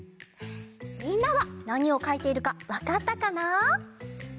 みんなはなにをかいているかわかったかな？